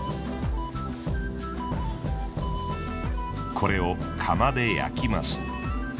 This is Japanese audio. これを窯で焼きます。